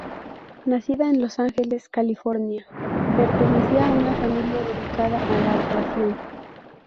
Nacida en Los Ángeles, California, pertenecía a una familia dedicada a la actuación.